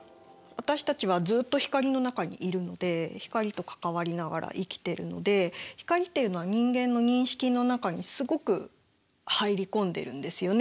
私たちはずっと光の中にいるので光と関わりながら生きてるので光っていうのは人間の認識の中にすごく入り込んでるんですよね。